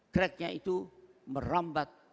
cracknya itu merambat